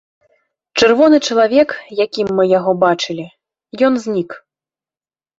Чырвоны чалавек, якім мы яго бачылі, ён знік.